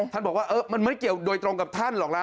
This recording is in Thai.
ท่านบอกว่ามันไม่เกี่ยวโดยตรงกับท่านหรอกล่ะ